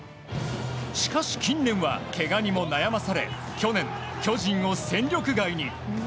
しかし近年はけがにも悩まされ、去年巨人を戦力外に。